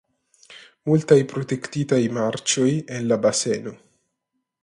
Multaj protektitaj marĉoj en la baseno.